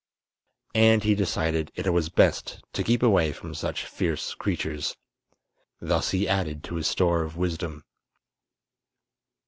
And he decided it was best to keep away from such fierce creatures. Thus he added to his store of wisdom.